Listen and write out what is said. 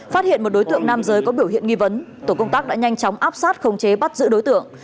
phát hiện một đối tượng nam giới có biểu hiện nghi vấn tổ công tác đã nhanh chóng áp sát khống chế bắt giữ đối tượng